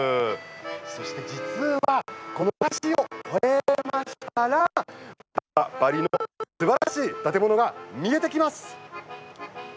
そして、実はこの橋を越えましたらパリのすばらしい建物が見えてきます！